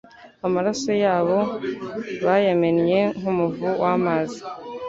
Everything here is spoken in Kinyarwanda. Amaraso yabo bayamennye nk’umuvu w’amazi